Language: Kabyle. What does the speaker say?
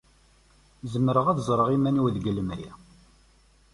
Zemreɣ ad ẓreɣ iman-iw deg lemri.